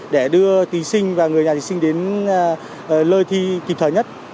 để đưa tùy sinh và người nhà tùy sinh đến lơi thi kịp thời nhất